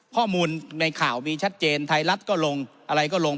ข้อมูลในข่าวมีชัดเจนไทยรัฐก็ลงอะไรก็ลง